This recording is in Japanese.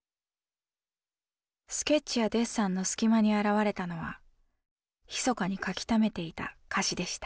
スケッチやデッサンの隙間に現れたのは密かに書きためていた歌詞でした。